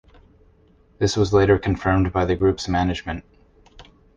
This was later confirmed by the group's management.